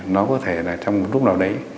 nó có thể là trong một lúc nào đấy